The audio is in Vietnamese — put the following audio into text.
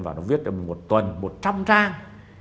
và nó viết được một tuần một trăm linh trang